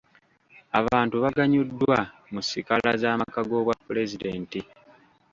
Abantu baganyuddwa mu sikaala z'amaka g'obwa pulezidenti.